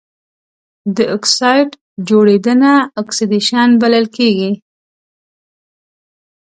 د اکسايډ جوړیدنه اکسیدیشن بلل کیږي.